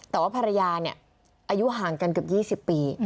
แต่ว่าภรรยาเนี่ยอายุห่างกันเกือบ๒๐ปี